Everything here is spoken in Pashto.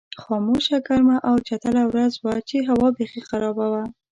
خاموشه، ګرمه او چټله ورځ وه چې هوا بېخي خرابه وه.